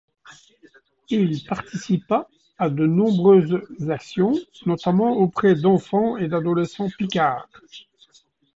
Il participa à de nombreuses actions, notamment auprès d'enfants et d'adolescents picards.